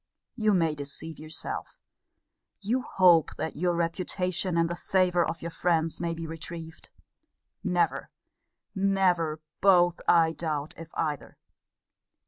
You may deceive yourself: you hope that your reputation and the favour of your friends may be retrieved. Never, never, both, I doubt, if either.